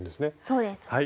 そうです。